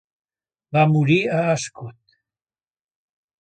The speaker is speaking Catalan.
Va morir a Ascot.